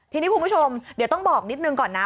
ทีนี้คุณผู้ชมเดี๋ยวต้องบอกนิดนึงก่อนนะ